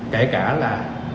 kể cả là